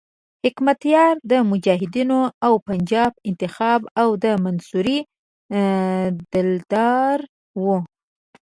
حکمتیار د مجاهدینو او پنجاب انتخاب او د منصوري دلدار وو.